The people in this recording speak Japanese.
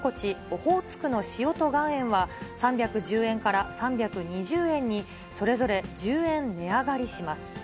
オホーツクの塩と岩塩は３１０円から３２０円にそれぞれ１０円値上がりします。